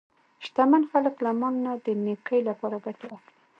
شتمن خلک له مال نه د نیکۍ لپاره ګټه اخلي.